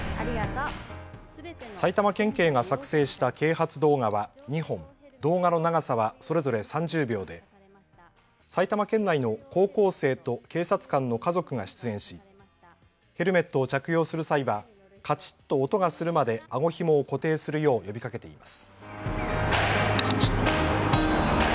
埼玉県警が作成した啓発動画は２本、動画の長さはそれぞれ３０秒で埼玉県内の高校生と警察官の家族が出演しヘルメットを着用する際はカチッと音がするまであごひもを固定するよう呼びかけています。